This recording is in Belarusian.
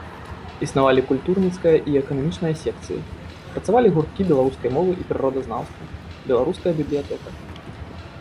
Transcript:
Існавалі культурніцкая і эканамічная секцыі, працавалі гурткі беларускай мовы і прыродазнаўства, беларуская бібліятэка.